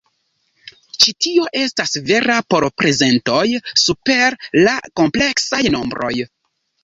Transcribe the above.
Ĉi tio estas vera por prezentoj super la kompleksaj nombroj.